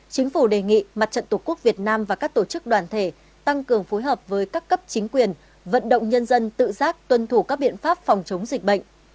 chính phủ đề nghị mặt trận tổ quốc việt nam và các tổ chức đoàn thể tăng cường phối hợp với các cấp chính quyền vận động nhân dân tự giác tuân thủ các biện pháp phòng chống dịch bệnh